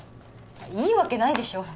いいわけないでしょ